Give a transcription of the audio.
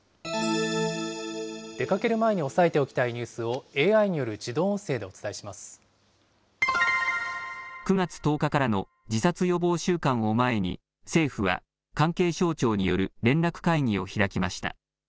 出かける前に押さえておきたいニュースをＡＩによる自動音声でお９月１０日からの自殺予防週間を前に政府は、関係省庁による連絡会議を開きました。